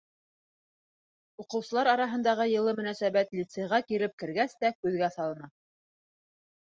Уҡыусылар араһындағы йылы мөнәсәбәт лицейға килеп кергәс тә күҙгә салына.